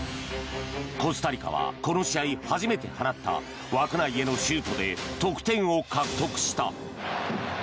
コスタリカはこの試合初めて放った枠内へのシュートで得点を獲得した。